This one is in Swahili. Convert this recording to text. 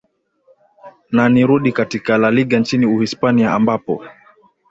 na ni rudi katika laliga nchini uhispania ambapo